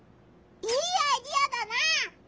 いいアイデアだな！